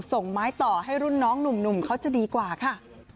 ส่งไม้ต่อให้รุ่นน้องหนุ่มเขาจะดีกว่าค่ะ